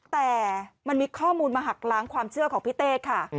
แต่มันมีข้อมูลมาหักล้างความเชื่อของพี่เต้ค่ะ